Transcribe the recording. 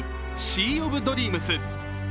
シー・オブ・ドリームス」